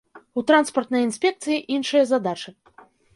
У транспартнай інспекцыі іншыя задачы.